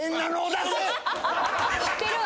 知ってるわ！